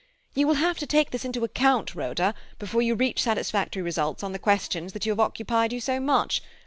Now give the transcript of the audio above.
You will have to take this into account, Rhoda, before you reach satisfactory results on the questions that have occupied you so much.